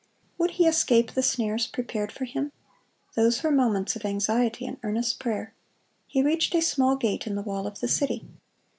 Would he escape the snares prepared for him? Those were moments of anxiety and earnest prayer. He reached a small gate in the wall of the city.